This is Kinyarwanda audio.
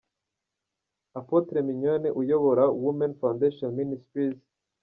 Apotre Mignonne uyobora Women Foundation Ministries.